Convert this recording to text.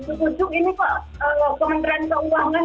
utu utuk ini kok kementerian keuangan